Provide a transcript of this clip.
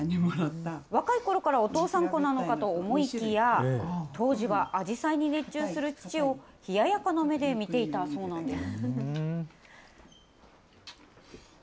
若いころからお父さん子なのかと思いきや、当時はあじさいに熱中する父を冷ややかな目で見ていたそうなんです。